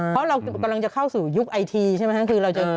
เพราะเรากำลังจะเข้าสู่ยุคไอทีใช่ไหมครับคือเราจะ